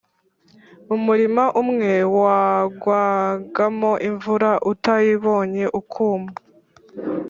umurima umwe wagwagamo imvura, utayibonye ukuma;